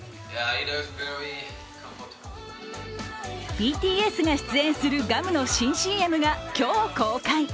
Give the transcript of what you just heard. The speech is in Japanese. ＢＴＳが出演するガムの新ＣＭが今日公開。